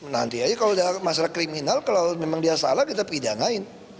nanti aja kalau ada masalah kriminal kalau memang dia salah kita pidanain